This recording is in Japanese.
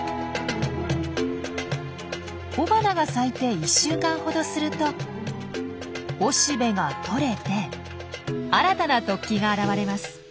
雄花が咲いて１週間ほどすると雄しべが取れて新たな突起が現れます。